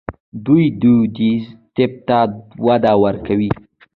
دوی دودیز طب ته وده ورکوي.